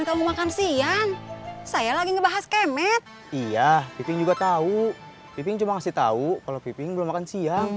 kamu pasti bahagia nanti ros